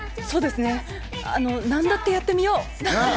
そうですね、何だってやってみよう！